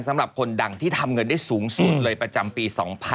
สำหรับคนดังที่ทำเงินได้สูงสุดเลยประจำปี๒๕๖๒